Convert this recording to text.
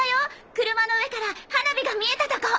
車の上から花火が見えたとこ！